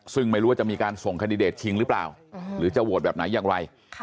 ซึ่งไม่รู้ว่าจะมีการส่งคันดิเดตชิงหรือเปล่าหรือจะโหวตแบบไหนอย่างไร